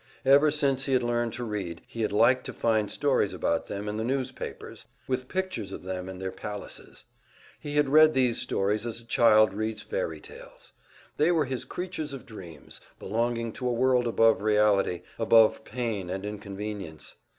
Ever since he had learned to read, he had liked to find stories about them in the newspapers, with pictures of them and their palaces. He had read these stories as a child reads fairy tales. They were his creatures of dreams, belonging to a world above reality, above pain and inconvenience.